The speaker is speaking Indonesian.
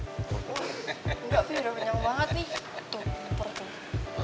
tuh ngepur tuh